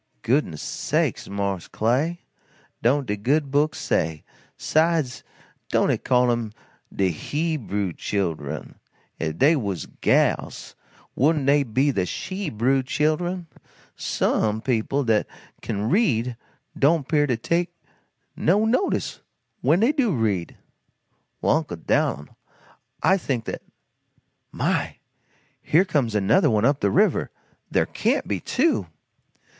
"Goodness sakes, mars Clay, don't de Good Book say? 'Sides, don't it call 'em de HE brew chil'en? If dey was gals wouldn't dey be de SHE brew chil'en? Some people dat kin read don't 'pear to take no notice when dey do read." "Well, Uncle Dan'l, I think that My! here comes another one up the river! There can't be two!"